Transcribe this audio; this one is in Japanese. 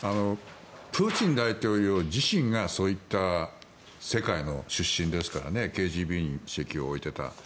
プーチン大統領自身がそういった世界の出身ですからねＫＧＢに籍を置いていた。